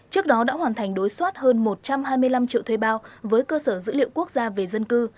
trước đó đã hoàn thành đối soát hơn một trăm hai mươi năm triệu thuê bao với cơ sở dữ liệu quốc gia về dân cư